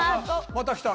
また来た。